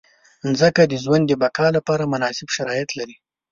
مځکه د ژوند د بقا لپاره مناسب شرایط لري.